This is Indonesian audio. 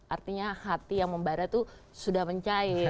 artinya hati yang membarat tuh sudah mencair